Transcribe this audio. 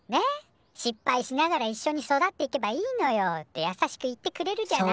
失敗しながらいっしょに育っていけばいいのよ」ってやさしく言ってくれるじゃない？